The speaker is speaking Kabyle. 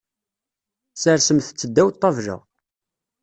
Sersemt-tt ddaw ṭṭabla.